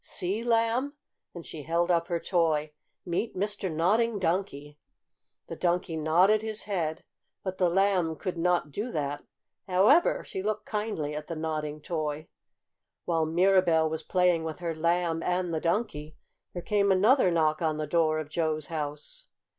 "See, Lamb!" and she held up her toy. "Meet Mr. Nodding Donkey!" The Donkey nodded his head, but the Lamb could not do that. However, she looked kindly at the nodding toy. While Mirabell was playing with her Lamb and the Donkey there came another knock on the door of Joe's house.